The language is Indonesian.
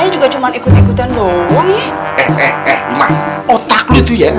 juga cuma ikut ikutan dong